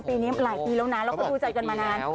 ปีนี้หลายปีแล้วนะแล้วก็ดูใจกันมานาน